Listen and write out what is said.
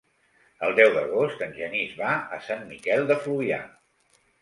El deu d'agost en Genís va a Sant Miquel de Fluvià.